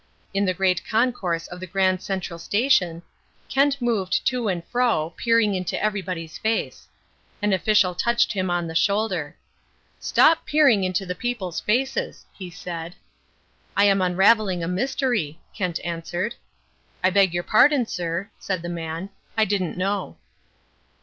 In the great concourse of the Grand Central Station, Kent moved to and fro, peering into everybody's face. An official touched him on the shoulder. "Stop peering into the people's faces," he said. "I am unravelling a mystery," Kent answered. "I beg your pardon, sir," said the man, "I didn't know."